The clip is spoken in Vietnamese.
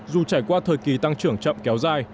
dù trải qua thời kỳ tăng trưởng chậm kéo dài